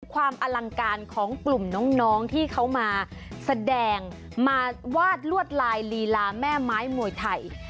ความอลังการของกลุ่มน้องที่เขามาแสดงมาวาดลวดลายลีลาแม่ไม้มวยไทย